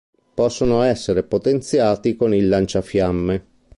Possono essere potenziati con il lanciafiamme.